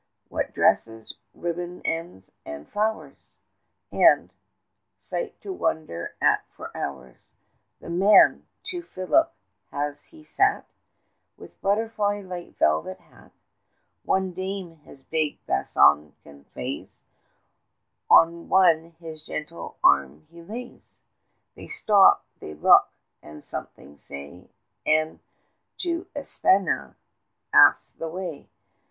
What dresses, ribbon ends, and flowers! 45 And, sight to wonder at for hours, The man, to Phillip has he sat? With butterfly like velvet hat; One dame his big bassoon conveys, On one his gentle arm he lays; 50 They stop, and look, and something say, And to 'España' ask the way.